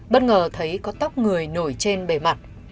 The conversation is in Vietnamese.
bất ngờ thấy có tóc người nổi trên bề mặt